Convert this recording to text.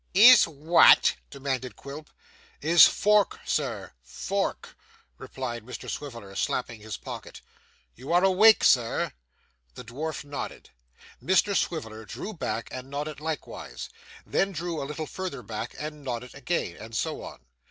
'Is what?' demanded Quilp. 'Is fork, sir, fork,' replied Mr Swiveller slapping his pocket. 'You are awake, sir?' The dwarf nodded. Mr Swiveller drew back and nodded likewise, then drew a little further back and nodded again, and so on.